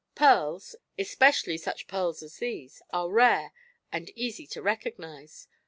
Pearls especially such pearls as these are rare and easy to recognize.